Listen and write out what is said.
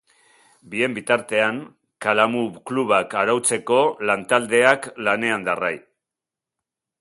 Bien bitartean, kalamu-klubak arautzeko lan taldeak lanean darrai.